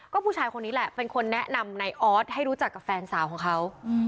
ก็ผู้ชายคนนี้แหละเป็นคนแนะนำในออสให้รู้จักกับแฟนสาวของเขา